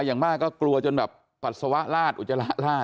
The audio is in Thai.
อย่างมากก็กลัวจนพัดสวะลาดอุ๊ยชละ